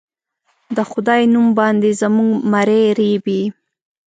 د خدای نوم باندې زموږه مرۍ رېبي